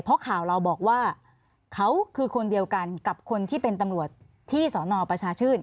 เพราะข่าวเราบอกว่าเขาคือคนเดียวกันกับคนที่เป็นตำรวจที่สนประชาชื่น